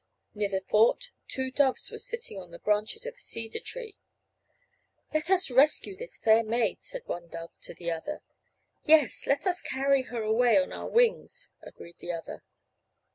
Near the fort two doves were sitting on the branches of a cedar tree. "Let us rescue this fair maid," said one dove to the other. "Yes, let us carry her away on our wings," agreed the other.